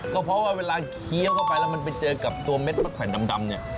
ก็เพราะว่าเวลาเคี้ยวเข้าไปแล้วมันไปเจอกับตัวเม็ดมะแขวนดำเนี่ย